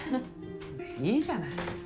いいじゃない。